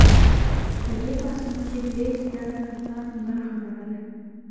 په دې پاڅون کې دیرش زره کسانو برخه لرله.